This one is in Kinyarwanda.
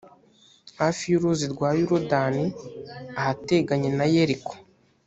hafi y’uruzi rwa yorudani, ahateganye na yeriko.